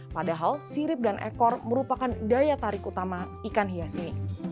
padahal sirip dan ekor merupakan daya tarik utama ikan hias ini